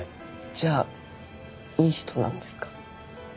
じゃあいい人なんですか？